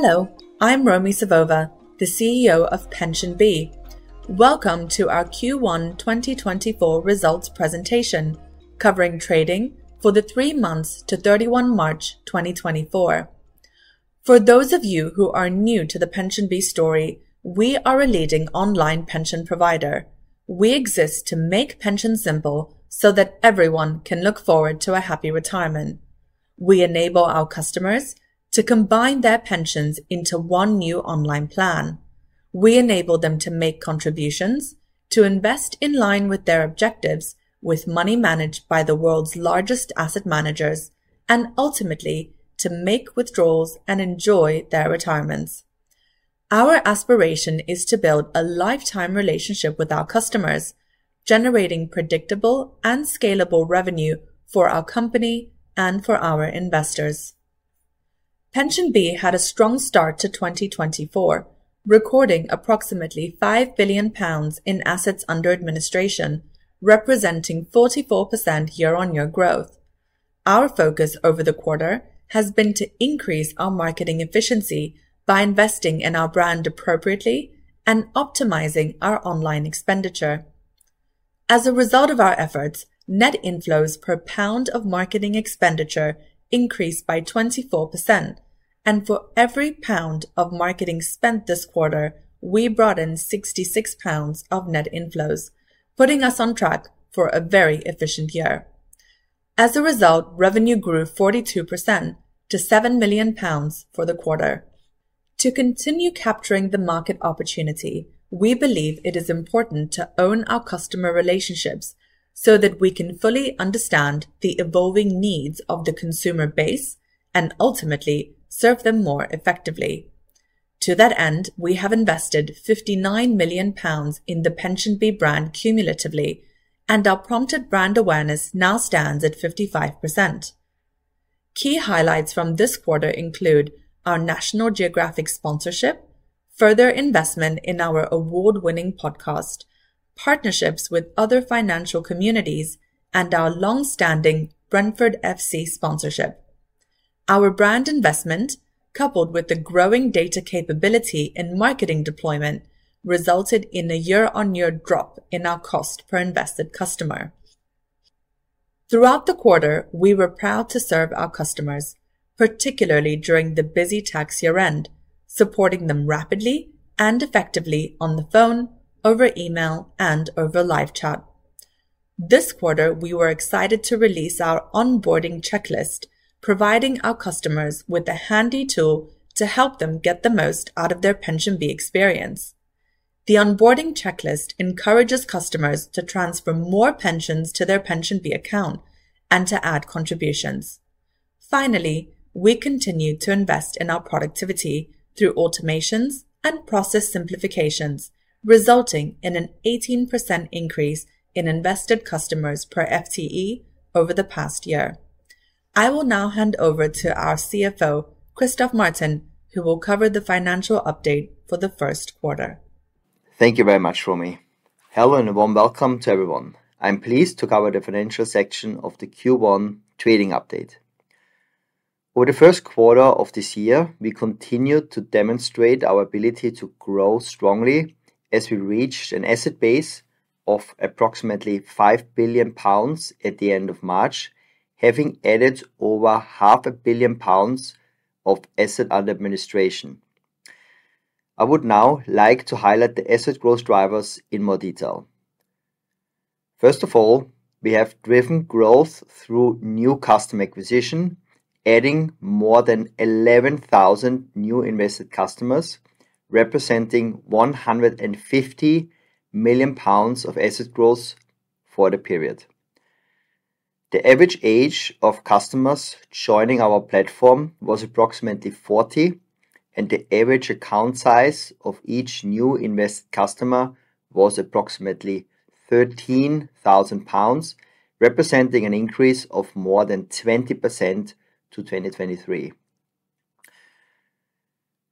Hello, I'm Romi Savova, the CEO of PensionBee. Welcome to our Q1 2024 Results Presentation, covering trading for the three months to 31 March 2024. For those of you who are new to the PensionBee story, we are a leading online pension provider. We exist to make pensions simple so that everyone can look forward to a happy retirement. We enable our customers to combine their pensions into one new online plan. We enable them to make contributions, to invest in line with their objectives, with money managed by the world's largest asset managers, and ultimately, to make withdrawals and enjoy their retirements. Our aspiration is to build a lifetime relationship with our customers, generating predictable and scalable revenue for our company and for our investors. PensionBee had a strong start to 2024, recording approximately 5 billion pounds in assets under administration, representing 44% year-on-year growth. Our focus over the quarter has been to increase our marketing efficiency by investing in our brand appropriately and optimizing our online expenditure. As a result of our efforts, net inflows per pound of marketing expenditure increased by 24%, and for every pound of marketing spent this quarter, we brought in 66 pounds of net inflows, putting us on track for a very efficient year. As a result, revenue grew 42% to 7 million pounds for the quarter. To continue capturing the market opportunity, we believe it is important to own our customer relationships so that we can fully understand the evolving needs of the consumer base and ultimately serve them more effectively. To that end, we have invested 59 million pounds in the PensionBee brand cumulatively, and our prompted brand awareness now stands at 55%. Key highlights from this quarter include our National Geographic sponsorship, further investment in our award-winning podcast, partnerships with other financial communities, and our long-standing Brentford FC sponsorship. Our brand investment, coupled with the growing data capability and marketing deployment, resulted in a year-on-year drop in our cost per invested customer. Throughout the quarter, we were proud to serve our customers, particularly during the busy tax year end, supporting them rapidly and effectively on the phone, over email, and over live chat. This quarter, we were excited to release our onboarding checklist, providing our customers with a handy tool to help them get the most out of their PensionBee experience. The onboarding checklist encourages customers to transfer more pensions to their PensionBee account and to add contributions. Finally, we continued to invest in our productivity through automations and process simplifications, resulting in an 18% increase in invested customers per FTE over the past year. I will now hand over to our CFO, Christoph Martin, who will cover the financial update for the first quarter. Thank you very much, Romi. Hello, and a warm welcome to everyone. I'm pleased to cover the financial section of the Q1 trading update. Over the first quarter of this year, we continued to demonstrate our ability to grow strongly as we reached an asset base of approximately 5 billion pounds at the end of March, having added over 500 million pounds of assets under administration. I would now like to highlight the asset growth drivers in more detail. First of all, we have driven growth through new customer acquisition, adding more than 11,000 new invested customers, representing 150 million pounds of asset growth for the period. The average age of customers joining our platform was approximately 40, and the average account size of each new invested customer was approximately 13,000 pounds, representing an increase of more than 20% to 2023.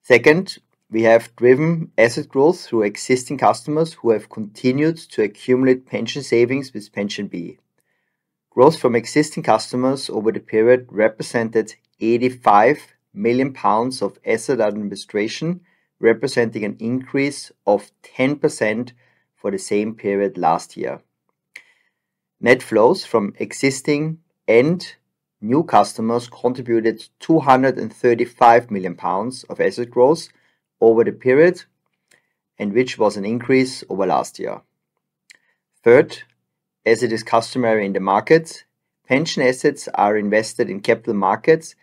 Second, we have driven asset growth through existing customers who have continued to accumulate pension savings with PensionBee. Growth from existing customers over the period represented 85 million pounds of asset administration, representing an increase of 10% for the same period last year. Net flows from existing and new customers contributed 235 million pounds of asset growth over the period, and which was an increase over last year. Third, as it is customary in the market, pension assets are invested in capital markets,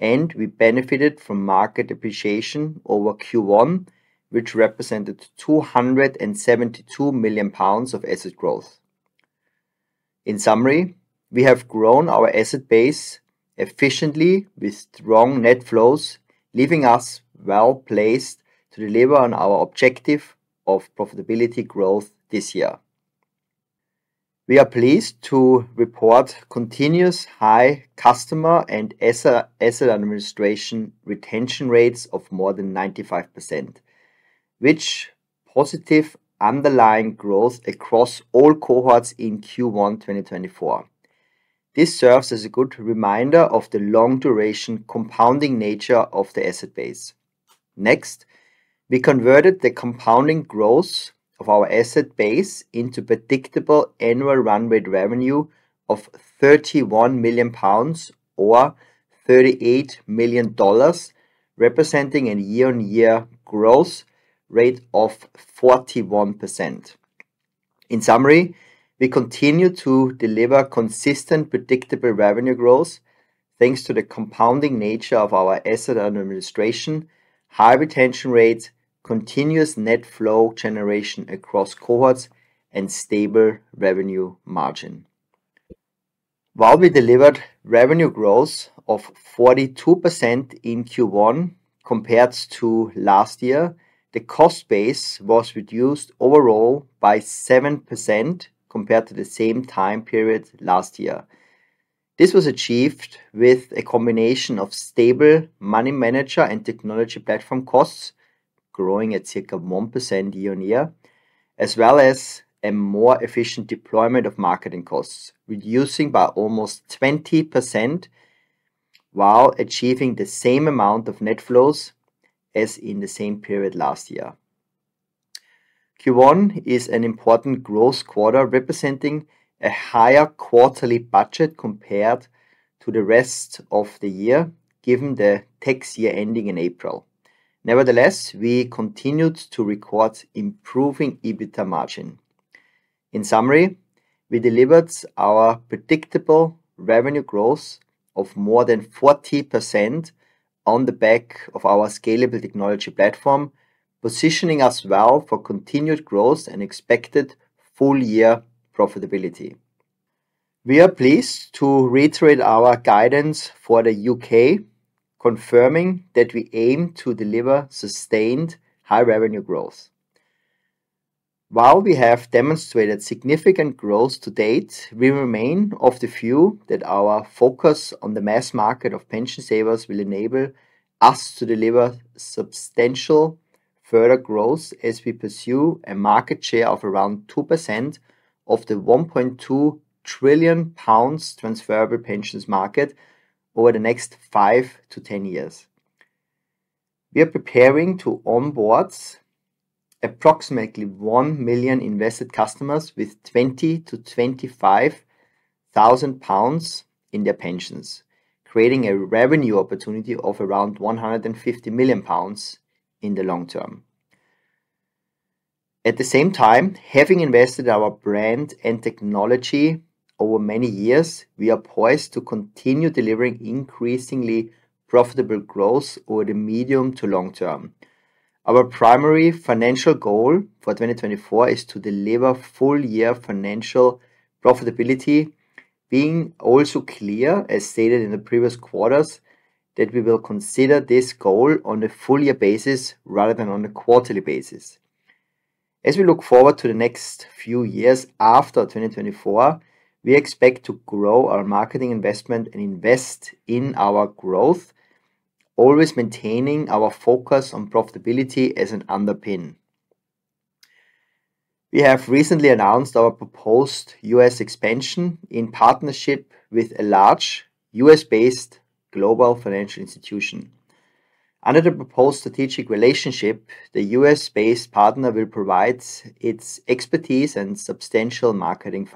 and we benefited from market appreciation over Q1, which represented 272 million pounds of asset growth. In summary, we have grown our asset base efficiently with strong net flows, leaving us well placed to deliver on our objective of profitability growth this year. We are pleased to report continuous high customer and asset administration retention rates of more than 95%, which positive underlying growth across all cohorts in Q1 2024. This serves as a good reminder of the long duration compounding nature of the asset base. Next, we converted the compounding growth of our asset base into predictable annual run rate revenue of 31 million pounds, or $38 million, representing a year-on-year growth rate of 41%. In summary, we continue to deliver consistent, predictable revenue growth, thanks to the compounding nature of our asset under administration, high retention rates, continuous net flow generation across cohorts, and stable revenue margin. While we delivered revenue growth of 42% in Q1 compared to last year, the cost base was reduced overall by 7% compared to the same time period last year. This was achieved with a combination of stable money manager and technology platform costs, growing at circa 1% year-on-year, as well as a more efficient deployment of marketing costs, reducing by almost 20% while achieving the same amount of net flows as in the same period last year. Q1 is an important growth quarter, representing a higher quarterly budget compared to the rest of the year, given the tax year ending in April. Nevertheless, we continued to record improving EBITDA margin. In summary, we delivered our predictable revenue growth of more than 40% on the back of our scalable technology platform, positioning us well for continued growth and expected full year profitability. We are pleased to reiterate our guidance for the U.K., confirming that we aim to deliver sustained high revenue growth. While we have demonstrated significant growth to date, we remain of the view that our focus on the mass market of pension savers will enable us to deliver substantial further growth as we pursue a market share of around 2% of the 1.2 trillion pounds transferable pensions market over the next five to 10 years. We are preparing to onboard approximately 1 million invested customers with 20,000-25,000 pounds in their pensions, creating a revenue opportunity of around 150 million pounds in the long term. At the same time, having invested our brand and technology over many years, we are poised to continue delivering increasingly profitable growth over the medium to long term. Our primary financial goal for 2024 is to deliver full year financial profitability, being also clear, as stated in the previous quarters, that we will consider this goal on a full year basis rather than on a quarterly basis. As we look forward to the next few years after 2024, we expect to grow our marketing investment and invest in our growth, always maintaining our focus on profitability as an underpin. We have recently announced our proposed U.S. expansion in partnership with a large U.S.-based global financial institution. Under the proposed strategic relationship, the U.S.-based partner will provide its expertise and substantial marketing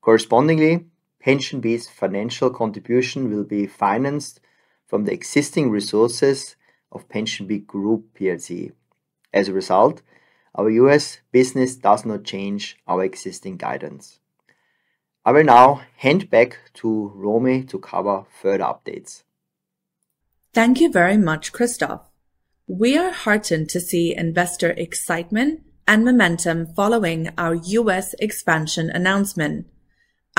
funding. Correspondingly, PensionBee's financial contribution will be financed from the existing resources of PensionBee Group PLC. As a result, our U.S. business does not change our existing guidance. I will now hand back to Romi to cover further updates. Thank you very much, Christoph. We are heartened to see investor excitement and momentum following our U.S. expansion announcement.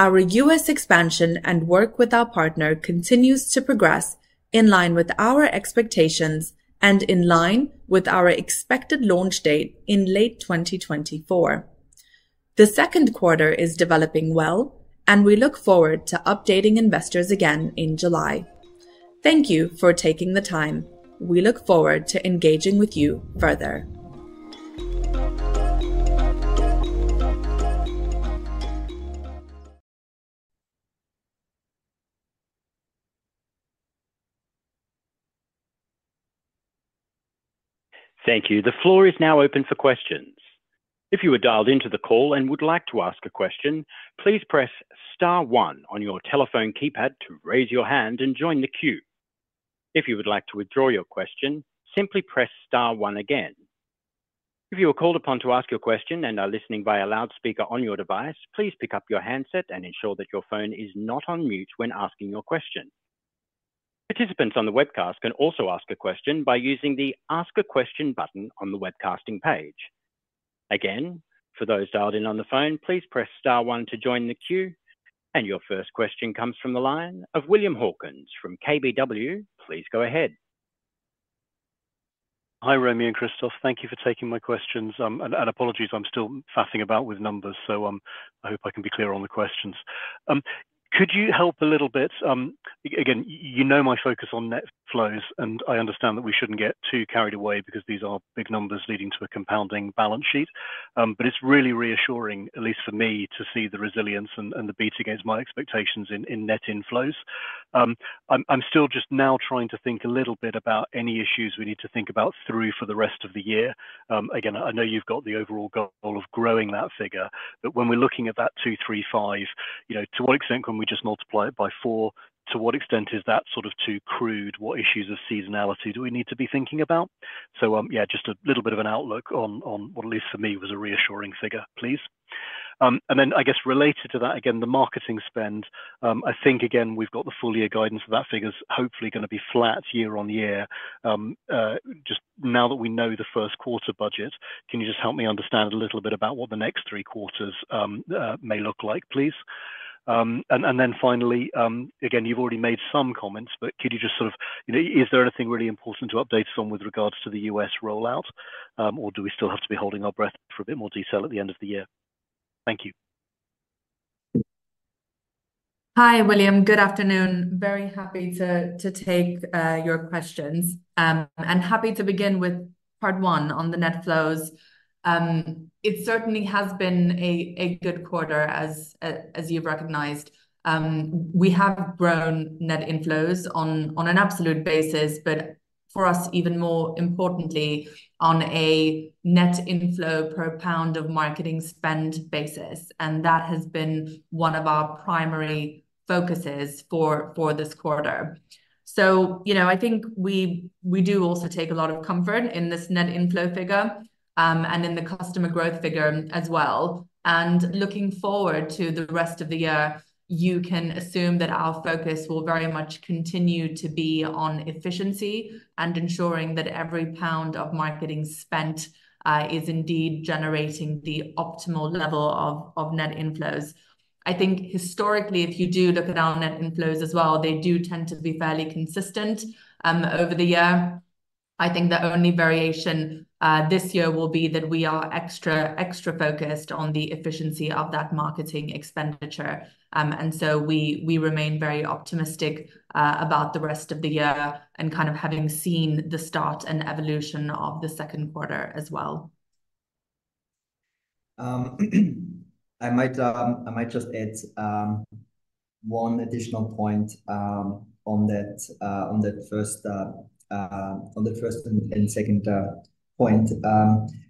Our U.S. expansion and work with our partner continues to progress in line with our expectations and in line with our expected launch date in late 2024. The second quarter is developing well, and we look forward to updating investors again in July. Thank you for taking the time. We look forward to engaging with you further. Thank you. The floor is now open for questions. If you are dialed into the call and would like to ask a question, please press star one on your telephone keypad to raise your hand and join the queue. If you would like to withdraw your question, simply press star one again. If you are called upon to ask your question and are listening via loudspeaker on your device, please pick up your handset and ensure that your phone is not on mute when asking your question. Participants on the webcast can also ask a question by using the Ask a Question button on the webcasting page. Again, for those dialed in on the phone, please press star one to join the queue. Your first question comes from the line of William Hawkins from KBW. Please go ahead. Hi, Romi and Christoph. Thank you for taking my questions. Apologies, I'm still fussing about with numbers, so I hope I can be clear on the questions. Could you help a little bit? Again, you know, my focus on net flows, and I understand that we shouldn't get too carried away because these are big numbers leading to a compounding balance sheet. But it's really reassuring, at least for me, to see the resilience and the beat against my expectations in net inflows. I'm still just now trying to think a little bit about any issues we need to think about through for the rest of the year. Again, I know you've got the overall goal of growing that figure, but when we're looking at that 235, you know, to what extent can we just multiply it by four? To what extent is that sort of too crude? What issues of seasonality do we need to be thinking about? So, yeah, just a little bit of an outlook on what, at least for me, was a reassuring figure, please. And then I guess related to that, again, the marketing spend, I think, again, we've got the full year guidance for that figure, is hopefully gonna be flat year-on-year. Just now that we know the first quarter budget, can you just help me understand a little bit about what the next three quarters may look like, please? And then finally, again, you've already made some comments, but could you just sort of, you know, is there anything really important to update us on with regards to the U.S. rollout, or do we still have to be holding our breath for a bit more detail at the end of the year? Thank you. Hi, William. Good afternoon. Very happy to take your questions, and happy to begin with part one on the net flows. It certainly has been a good quarter, as you've recognized. We have grown net inflows on an absolute basis, but for us, even more importantly, on a net inflow per pound of marketing spend basis, and that has been one of our primary focuses for this quarter. So, you know, I think we do also take a lot of comfort in this net inflow figure, and in the customer growth figure as well. Looking forward to the rest of the year, you can assume that our focus will very much continue to be on efficiency and ensuring that every pound of marketing spent is indeed generating the optimal level of net inflows. I think historically, if you do look at our net inflows as well, they do tend to be fairly consistent over the year. I think the only variation this year will be that we are extra, extra focused on the efficiency of that marketing expenditure. And so we, we remain very optimistic about the rest of the year and kind of having seen the start and evolution of the second quarter as well. I might just add one additional point on that first and second point.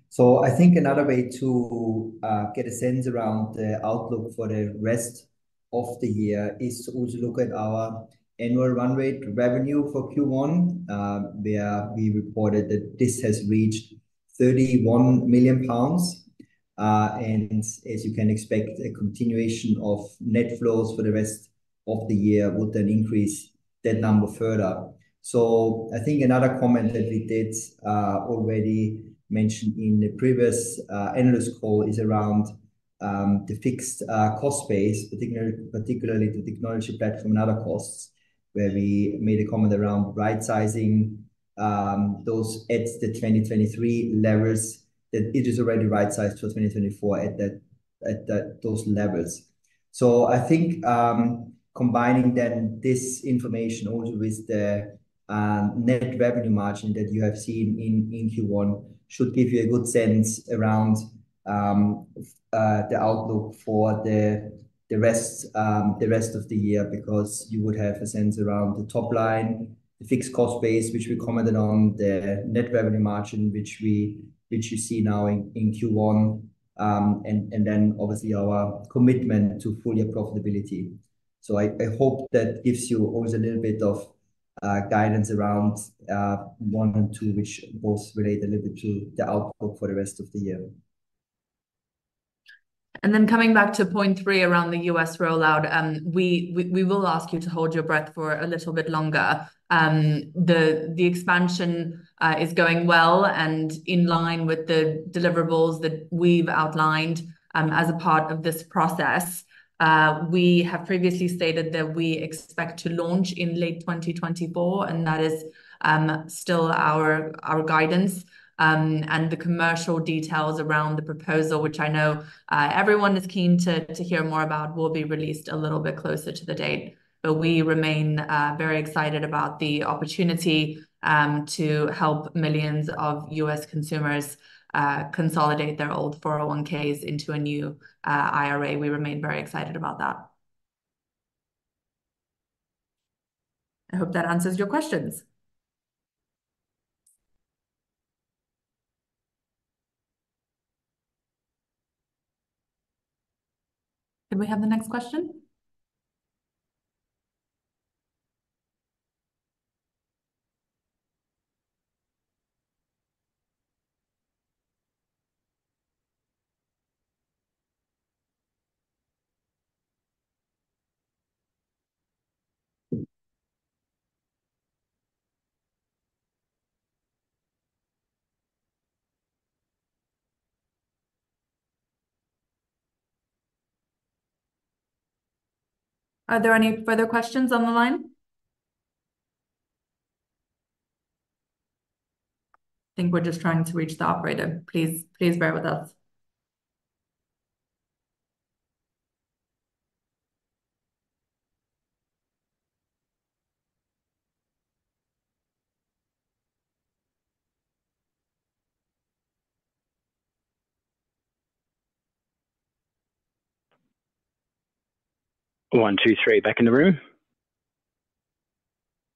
So I think another way to get a sense around the outlook for the rest of the year is to also look at our annual run rate revenue for Q1, where we reported that this has reached 31 million pounds. And as you can expect, a continuation of net flows for the rest of the year would then increase that number further. So I think another comment that we did already mention in the previous analyst call is around the fixed cost base, particularly the technology platform and other costs, where we made a comment around right sizing those at the 2023 levels, that it is already right sized for 2024 at those levels. So I think combining then this information also with the net revenue margin that you have seen in Q1 should give you a good sense around the outlook for the rest of the year, because you would have a sense around the top line, the fixed cost base, which we commented on, the net revenue margin, which you see now in Q1, and then obviously our commitment to full year profitability. I hope that gives you always a little bit of guidance around one and two, which both relate a little bit to the outlook for the rest of the year. And then coming back to point three around the U.S. rollout, we will ask you to hold your breath for a little bit longer. The expansion is going well and in line with the deliverables that we've outlined as a part of this process. We have previously stated that we expect to launch in late 2024, and that is still our guidance. And the commercial details around the proposal, which I know everyone is keen to hear more about, will be released a little bit closer to the date. But we remain very excited about the opportunity to help millions of U.S. consumers consolidate their old 401(k)s into a new IRA. We remain very excited about that. I hope that answers your questions. Can we have the next question? Are there any further questions on the line? I think we're just trying to reach the operator. Please, please bear with us. one, two, three, back in the room?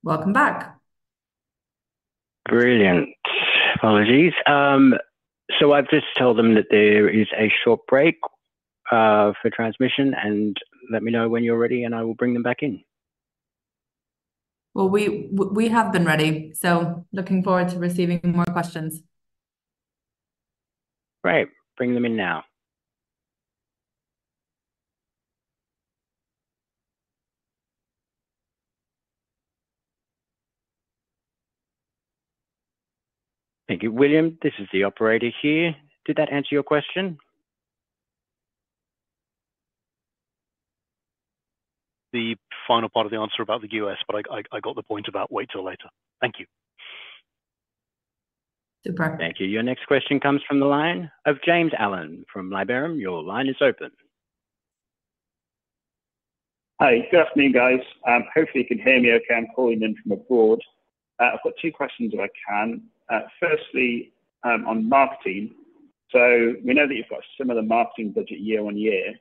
Welcome back. Brilliant. Apologies. So I've just told them that there is a short break for transmission, and let me know when you're ready, and I will bring them back in. Well, we have been ready, so looking forward to receiving more questions. Right. Bring them in now. Thank you, William. This is the operator here. Did that answer your question? The final part of the answer about the U.S., but I got the point about wait till later. Thank you. Super. Thank you. Your next question comes from the line of James Allen from Liberum. Your line is open. Hi. Good afternoon, guys. Hopefully, you can hear me okay. I'm calling in from abroad. I've got two questions, if I can. Firstly, on marketing. So we know that you've got a similar marketing budget year-over-year,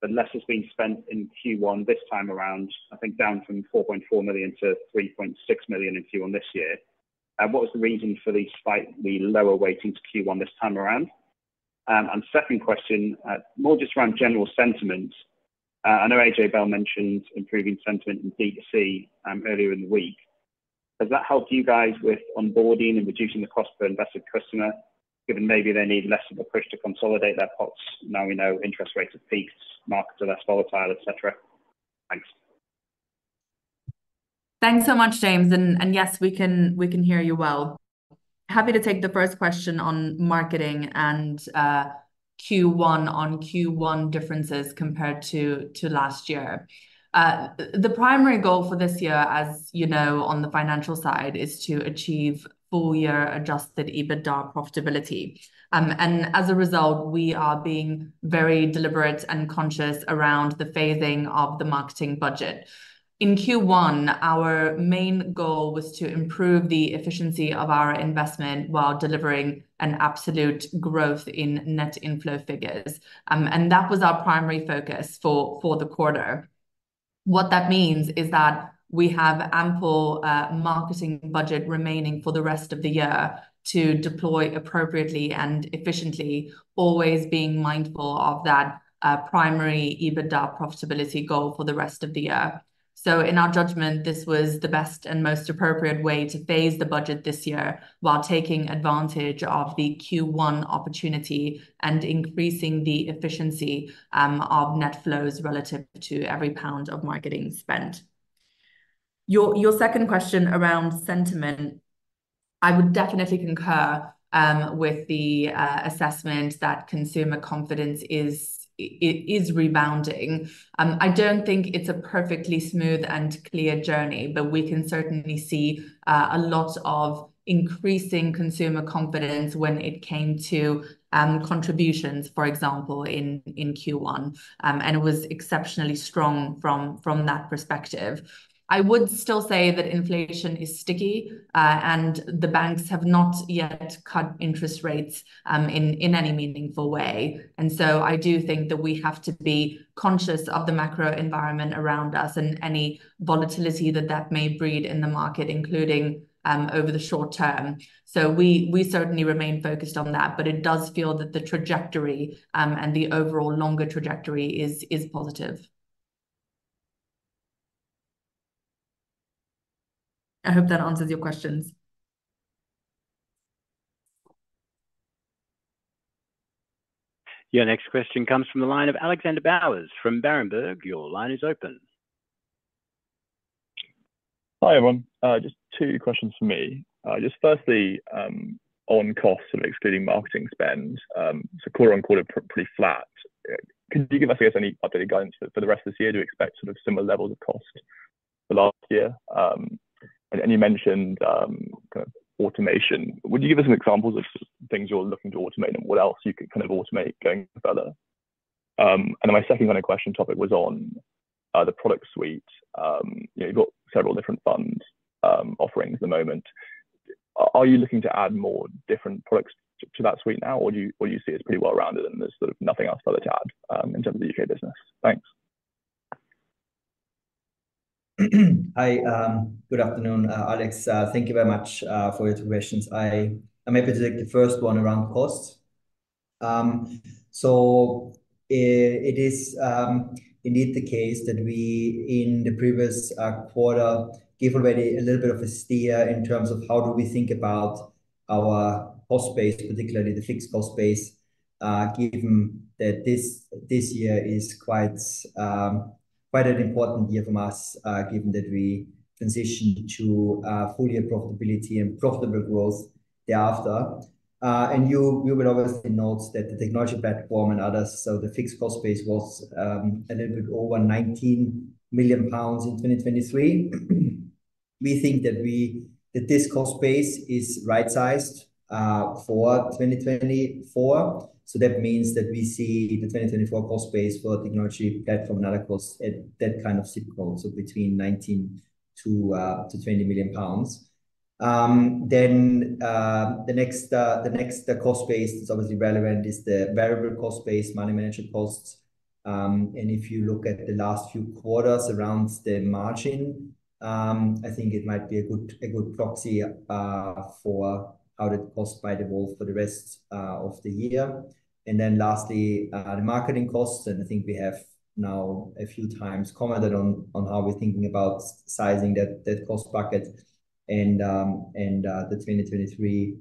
but less has been spent in Q1 this time around, I think down from 4.4 million to 3.6 million in Q1 this year. What was the reason for the slight, the lower weighting to Q1 this time around? And second question, more just around general sentiment. I know AJ Bell mentioned improving sentiment in D2C, earlier in the week. Has that helped you guys with onboarding and reducing the cost per invested customer, given maybe they need less of a push to consolidate their pots now we know interest rates are at peaks, markets are less volatile, et cetera? Thanks. Thanks so much, James. Yes, we can hear you well. Happy to take the first question on marketing and Q1 differences compared to last year. The primary goal for this year, as you know, on the financial side, is to achieve full-year Adjusted EBITDA profitability. And as a result, we are being very deliberate and conscious around the phasing of the marketing budget. In Q1, our main goal was to improve the efficiency of our investment while delivering an absolute growth in net inflow figures. And that was our primary focus for the quarter. What that means is that we have ample marketing budget remaining for the rest of the year to deploy appropriately and efficiently, always being mindful of that primary EBITDA profitability goal for the rest of the year. So in our judgment, this was the best and most appropriate way to phase the budget this year, while taking advantage of the Q1 opportunity and increasing the efficiency of net flows relative to every pound of marketing spent. Your second question around sentiment, I would definitely concur with the assessment that consumer confidence is. It is rebounding. I don't think it's a perfectly smooth and clear journey, but we can certainly see a lot of increasing consumer confidence when it came to contributions, for example, in Q1. And it was exceptionally strong from that perspective. I would still say that inflation is sticky, and the banks have not yet cut interest rates in any meaningful way. And so I do think that we have to be conscious of the macro environment around us and any volatility that may breed in the market, including over the short term. So we certainly remain focused on that, but it does feel that the trajectory and the overall longer trajectory is positive. I hope that answers your questions. Your next question comes from the line of Alexander Bowers from Berenberg. Your line is open. Hi, everyone. Just two questions from me. Just firstly, on costs and excluding marketing spend, so quarter-on-quarter, pretty flat. Can you give us, I guess, any updated guidance for the rest of this year? Do you expect sort of similar levels of cost to last year? And you mentioned kind of automation. Would you give us some examples of things you're looking to automate and what else you could kind of automate going further? And my second kind of question topic was on the product suite. You know, you've got several different funds offerings at the moment. Are you looking to add more different products to that suite now, or you see it as pretty well-rounded and there's sort of nothing else further to add in terms of the U.K. business? Thanks. Hi, good afternoon, Alex. Thank you very much for your two questions. I may take the first one around costs. So, it is indeed the case that we, in the previous quarter, gave already a little bit of a steer in terms of how do we think about our cost base, particularly the fixed cost base, given that this year is quite an important year for us, given that we transition to full year profitability and profitable growth thereafter. And you will obviously note that the technology platform and others, so the fixed cost base was a little bit over 19 million pounds in 2023. We think that this cost base is right-sized for 2024. So that means that we see the 2024 cost base for technology platform and other costs at that kind of zip code, so between 19 million-20 million pounds. Then the next cost base that's obviously relevant is the variable cost base, money management costs. And if you look at the last few quarters around the margin, I think it might be a good proxy for how that cost might evolve for the rest of the year. And then lastly, the marketing costs, and I think we have now a few times commented on how we're thinking about sizing that cost bucket. And the 2023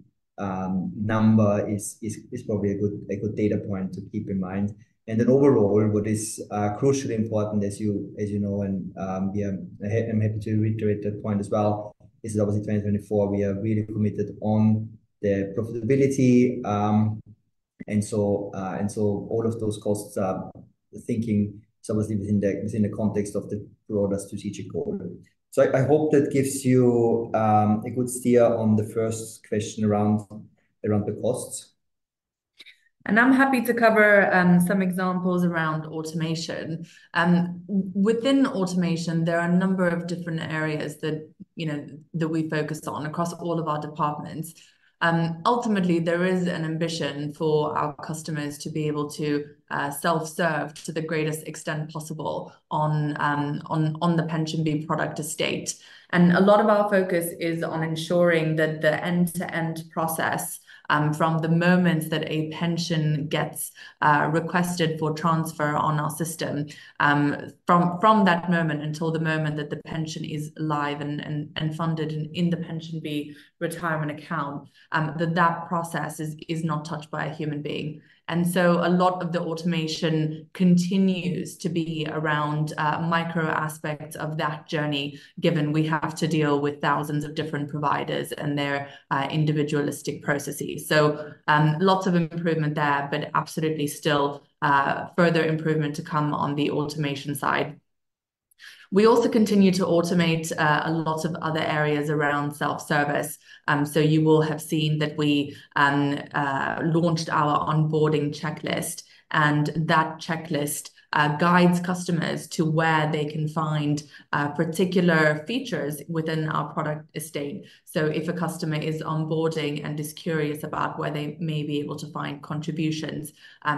number is probably a good data point to keep in mind. And then overall, what is crucially important, as you know, and yeah, I'm happy to reiterate that point as well, is obviously 2024, we are really committed on the profitability. And so all of those costs are thinking it's obviously within the context of the broader strategic goal. So I hope that gives you a good steer on the first question around the costs. I'm happy to cover some examples around automation. Within automation, there are a number of different areas that, you know, that we focus on across all of our departments. Ultimately, there is an ambition for our customers to be able to self-serve to the greatest extent possible on, on the PensionBee product estate. And a lot of our focus is on ensuring that the end-to-end process, from the moment that a pension gets requested for transfer on our system, from that moment until the moment that the pension is live and funded in the PensionBee retirement account, that process is not touched by a human being. So a lot of the automation continues to be around micro aspects of that journey, given we have to deal with thousands of different providers and their individualistic processes. So, lots of improvement there, but absolutely still further improvement to come on the automation side. We also continue to automate a lot of other areas around self-service. So you will have seen that we launched our onboarding checklist, and that checklist guides customers to where they can find particular features within our product estate. So if a customer is onboarding and is curious about where they may be able to find contributions,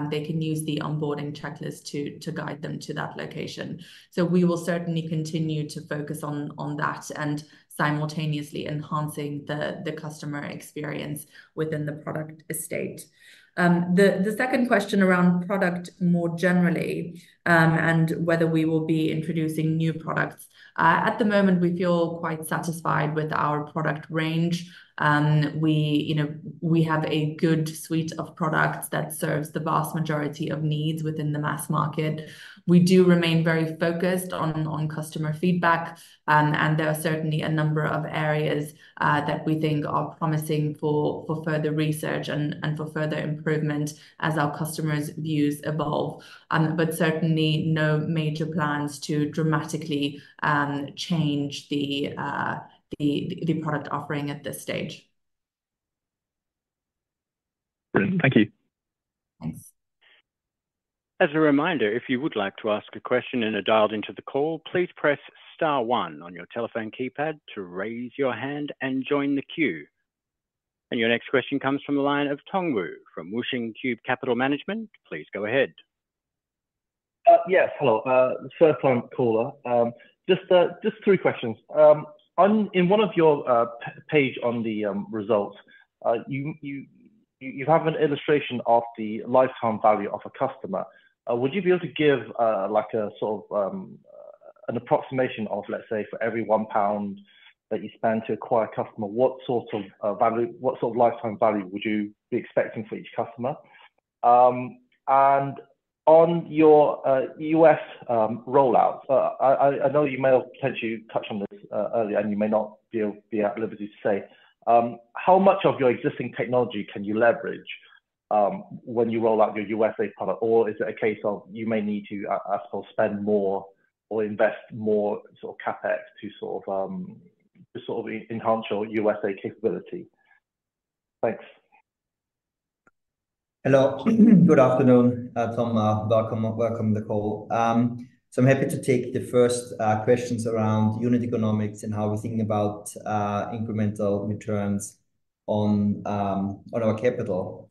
they can use the onboarding checklist to guide them to that location. So we will certainly continue to focus on that and simultaneously enhancing the customer experience within the product estate. The second question around product more generally, and whether we will be introducing new products. At the moment, we feel quite satisfied with our product range. We, you know, we have a good suite of products that serves the vast majority of needs within the mass market. We do remain very focused on customer feedback, and there are certainly a number of areas that we think are promising for further research and for further improvement as our customers' views evolve. But certainly no major plans to dramatically change the product offering at this stage. Brilliant. Thank you. Thanks. As a reminder, if you would like to ask a question and are dialed into the call, please press star one on your telephone keypad to raise your hand and join the queue. Your next question comes from the line of Tong Wu from Wuxing Cube Capital Management. Please go ahead. Yes, hello. First-time caller. Just three questions. On one of your pages on the results, you have an illustration of the lifetime value of a customer. Would you be able to give like a sort of an approximation of, let's say, for every 1 pound that you spend to acquire a customer, what sort of value, what sort of lifetime value would you be expecting for each customer? And on your U.S. rollout, I know you may have potentially touched on this earlier, and you may not be at liberty to say how much of your existing technology can you leverage when you roll out your USA product? Or is it a case of you may need to spend more or invest more sort of CapEx to sort of to sort of enhance your USA capability? Thanks. Hello. Good afternoon, Tong, welcome to the call. So I'm happy to take the first questions around unit economics and how we're thinking about incremental returns on our capital.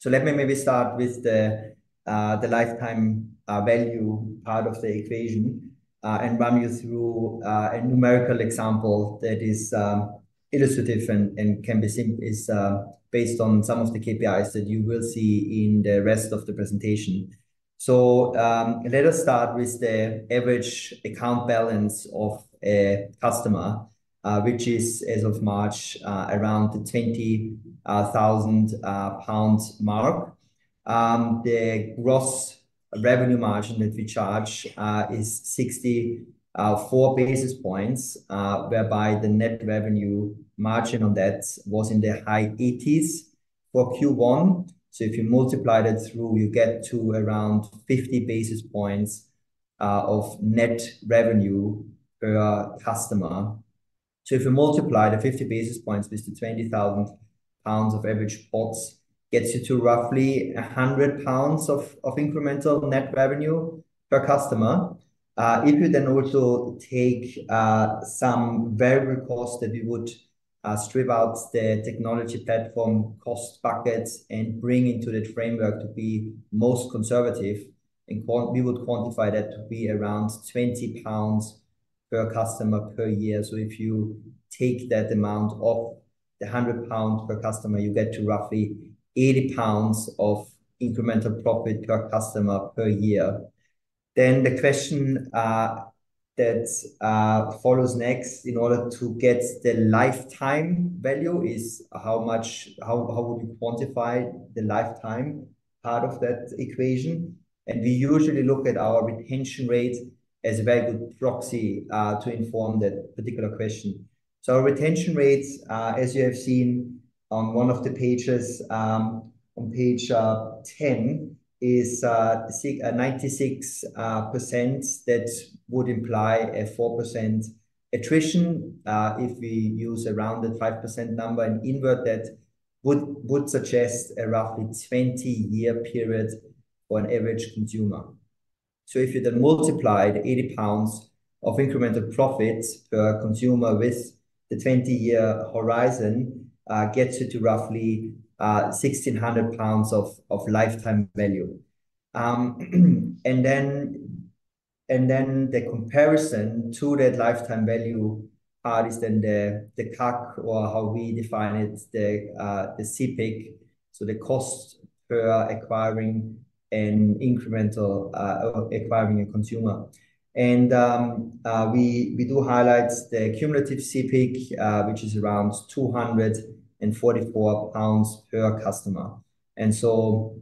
So let me maybe start with the lifetime value part of the equation and run you through a numerical example that is illustrative and can be based on some of the KPIs that you will see in the rest of the presentation. So let us start with the average account balance of a customer, which is, as of March, around 20,000 pounds. The gross revenue margin that we charge is 64 basis points, whereby the net revenue margin on that was in the high 80s for Q1. So if you multiply that through, you get to around 50 basis points of net revenue per customer. So if you multiply the 50 basis points with the 20,000 pounds of average pots gets you to roughly 100 pounds of incremental net revenue per customer. If you then also take some variable costs that we would strip out the technology platform cost buckets and bring into the framework to be most conservative, and we would quantify that to be around 20 pounds per customer per year. So if you take that amount of the 100 pounds per customer, you get to roughly 80 pounds of incremental profit per customer per year. Then the question that follows next in order to get the lifetime value is how would you quantify the lifetime part of that equation? We usually look at our retention rate as a very good proxy to inform that particular question. So our retention rates, as you have seen on one of the pages, on page 10, is 96%. That would imply a 4% attrition. If we use a rounded 5% number and invert that, would suggest a roughly 20-year period for an average consumer. So if you then multiply the 80 pounds of incremental profits per consumer with the 20-year horizon, gets you to roughly 1,600 pounds of lifetime value. And then the comparison to that lifetime value part is then the CAC or how we define it, the CPIC, so the cost per acquiring an incremental or acquiring a consumer. We do highlight the cumulative CPIC, which is around 244 pounds per customer. And so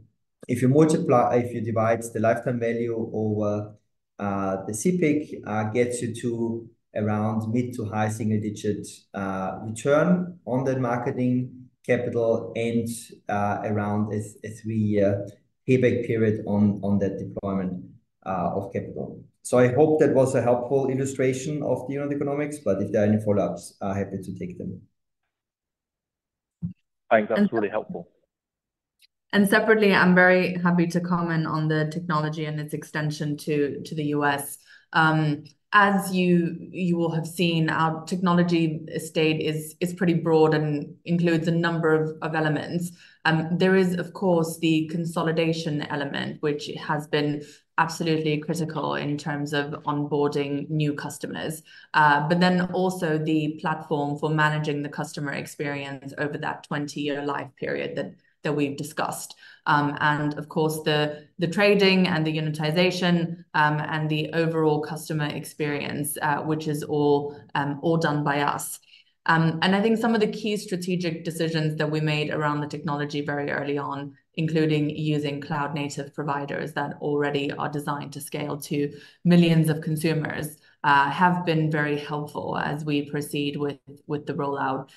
if you divide the lifetime value over the CPIC, gets you to around mid- to high-single-digit return on the marketing capital and around a three-year payback period on that deployment of capital. So I hope that was a helpful illustration of the unit economics, but if there are any follow-ups, I'm happy to take them. I think that's really helpful. And separately, I'm very happy to comment on the technology and its extension to the U.S. As you will have seen, our technology estate is pretty broad and includes a number of elements. There is, of course, the consolidation element, which has been absolutely critical in terms of onboarding new customers. But then also the platform for managing the customer experience over that 20-year life period that we've discussed. And of course, the trading and the unitization, and the overall customer experience, which is all done by us. And I think some of the key strategic decisions that we made around the technology very early on, including using cloud-native providers that already are designed to scale to millions of consumers, have been very helpful as we proceed with the rollout.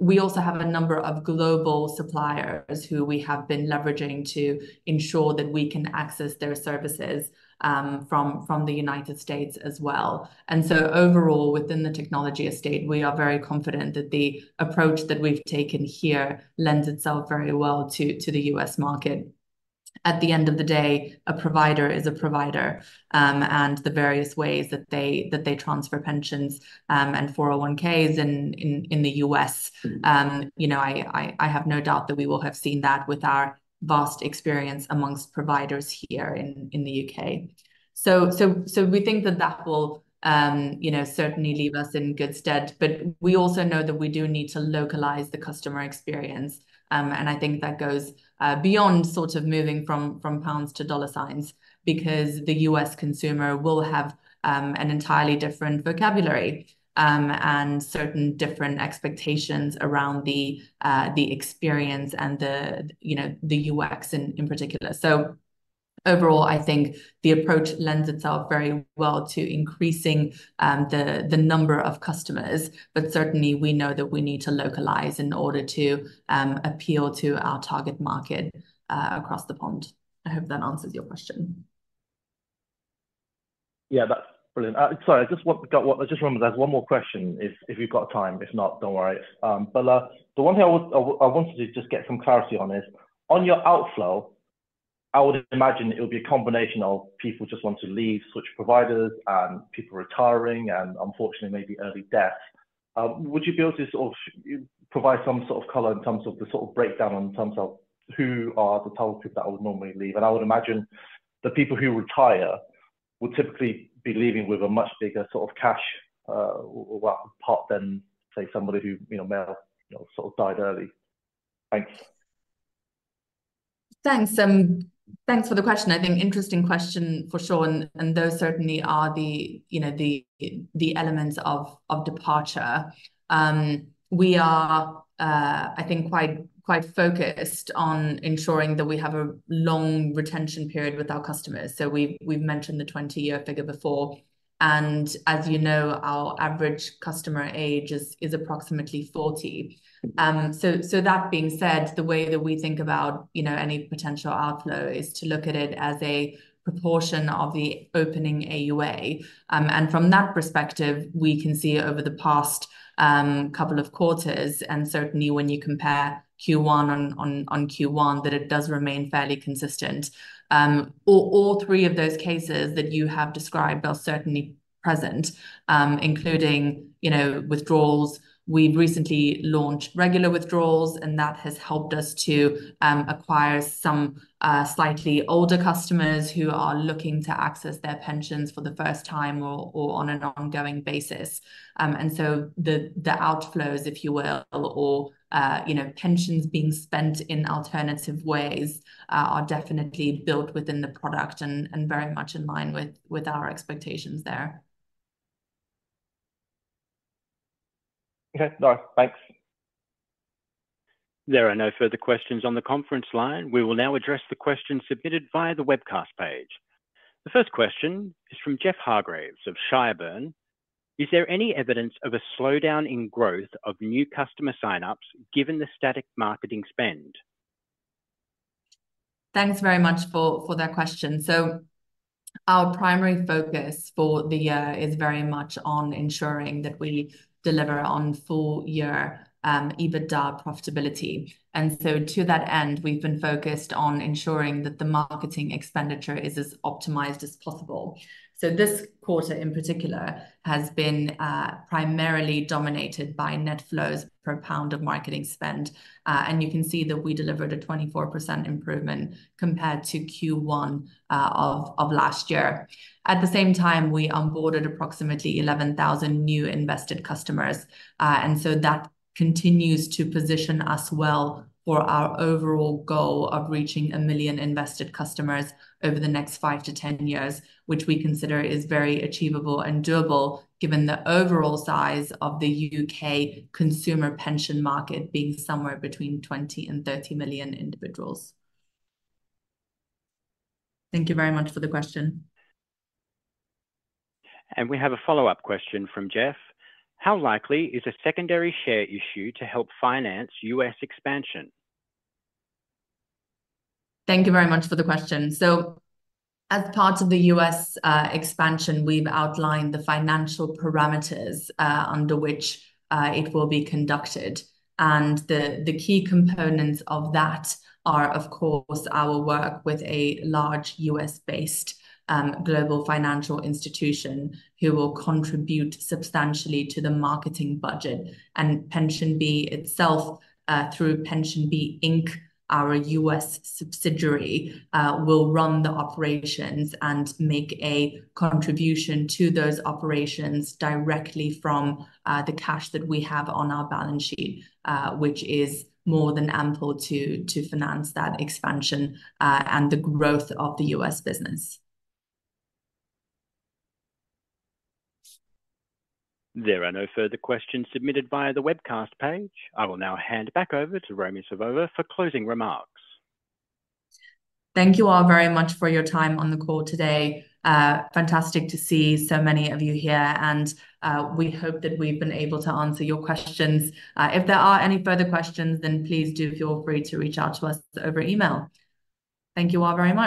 We also have a number of global suppliers who we have been leveraging to ensure that we can access their services, from the United States as well. So overall, within the technology estate, we are very confident that the approach that we've taken here lends itself very well to the U.S. market. At the end of the day, a provider is a provider, and the various ways that they transfer pensions, and 401(k)s in the U.S. You know, I have no doubt that we will have seen that with our vast experience among providers here in the U.K. So we think that that will, you know, certainly leave us in good stead. But we also know that we do need to localize the customer experience, and I think that goes beyond sort of moving from pounds to dollar signs, because the U.S. consumer will have an entirely different vocabulary, and certain different expectations around the the experience and the, you know, the UX in particular. So overall, I think the approach lends itself very well to increasing the the number of customers, but certainly we know that we need to localize in order to appeal to our target market across the pond. I hope that answers your question. Yeah, that's brilliant. Sorry, I just got one. I just remembered there's one more question, if you've got time. If not, don't worry. But the one thing I wanted to just get some clarity on is your outflow. I would imagine it would be a combination of people just want to leave switch providers, people retiring, and unfortunately, maybe early death. Would you be able to sort of provide some sort of color in terms of the sort of breakdown in terms of who are the type of people that would normally leave? And I would imagine the people who retire would typically be leaving with a much bigger sort of cash, well, pot than, say, somebody who, you know, may have, you know, sort of died early. Thanks. Thanks, thanks for the question. I think interesting question for sure, and those certainly are the, you know, the elements of departure. We are, I think, quite focused on ensuring that we have a long retention period with our customers. So we've mentioned the 20-year figure before, and as you know, our average customer age is approximately 40. So that being said, the way that we think about, you know, any potential outflow is to look at it as a proportion of the opening AUA. And from that perspective, we can see over the past couple of quarters, and certainly when you compare Q1 on Q1, that it does remain fairly consistent. All three of those cases that you have described are certainly present, including, you know, withdrawals. We've recently launched regular withdrawals, and that has helped us to acquire some slightly older customers who are looking to access their pensions for the first time or on an ongoing basis. And so the outflows, if you will, or you know, pensions being spent in alternative ways, are definitely built within the product and very much in line with our expectations there. Okay. All right, thanks. There are no further questions on the conference line. We will now address the questions submitted via the webcast page. The first question is from Geoff Hargreaves of Sherborne. Is there any evidence of a slowdown in growth of new customer sign-ups, given the static marketing spend? Thanks very much for that question. So our primary focus for the year is very much on ensuring that we deliver on full year EBITDA profitability. And so to that end, we've been focused on ensuring that the marketing expenditure is as optimized as possible. So this quarter, in particular, has been primarily dominated by net flows per pound of marketing spend. And you can see that we delivered a 24% improvement compared to Q1 of last year. At the same time, we onboarded approximately 11,000 new invested customers. And so that continues to position us well for our overall goal of reaching 1 million invested customers over the next five to 10 years, which we consider is very achievable and doable, given the overall size of the U.K. consumer pension market being somewhere between 20 and 30 million individuals. Thank you very much for the question. We have a follow-up question from Jeff. How likely is a secondary share issue to help finance U.S. expansion? Thank you very much for the question. So as part of the U.S. expansion, we've outlined the financial parameters under which it will be conducted. The key components of that are, of course, our work with a large U.S.-based global financial institution who will contribute substantially to the marketing budget. PensionBee itself, through PensionBee Inc, our U.S. subsidiary, will run the operations and make a contribution to those operations directly from the cash that we have on our balance sheet, which is more than ample to finance that expansion and the growth of the U.S. business. There are no further questions submitted via the webcast page. I will now hand back over to Romi Savova for closing remarks. Thank you all very much for your time on the call today. Fantastic to see so many of you here, and we hope that we've been able to answer your questions. If there are any further questions, then please do feel free to reach out to us over email. Thank you all very much.